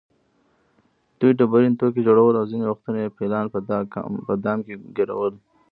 دوی ډبرین توکي جوړول او ځینې وختونه یې فیلان په دام کې ګېرول.